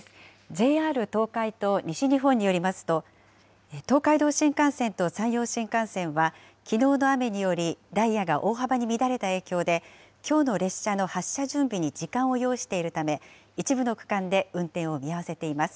ＪＲ東海と西日本によりますと、東海道新幹線と山陽新幹線は、きのうの雨により、ダイヤが大幅に乱れた影響で、きょうの列車の発車準備に時間を要しているため、一部の区間で運転を見合わせています。